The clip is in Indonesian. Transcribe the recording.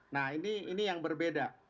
nah ini yang berbeda